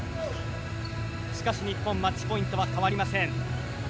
しかし日本、マッチポイントは変わりません。